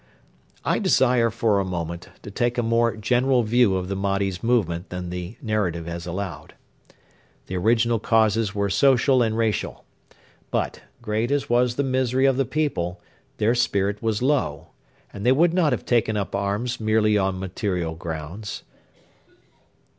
I desire for a moment to take a more general view of the Mahdi's movement than the narrative has allowed. The original causes were social and racial. But, great as was the misery of the people, their spirit was low, and they would not have taken up arms merely on material grounds.